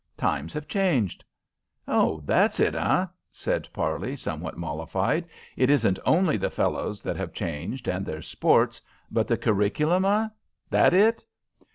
Times have changed." "Oh, that's it eh?" said Parley, somewhat mollified. "It isn't only the fellows that have changed and their sports, but the curriculum eh? That it?"